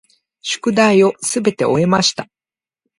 宿題をすべて終えました。